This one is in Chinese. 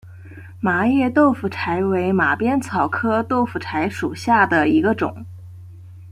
麻叶豆腐柴为马鞭草科豆腐柴属下的一个种。